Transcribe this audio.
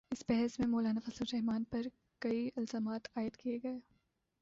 اس بحث میں مولانافضل الرحمن پر کئی الزامات عائد کئے گئے،